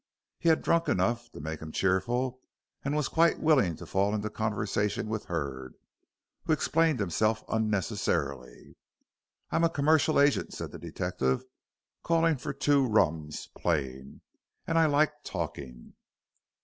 He had drunk enough to make him cheerful and was quite willing to fall into conversation with Hurd, who explained himself unnecessarily. "I'm a commercial gent," said the detective, calling for two rums, plain, "and I like talking."